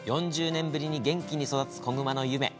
４０年ぶりに元気に育つ子熊のゆめ。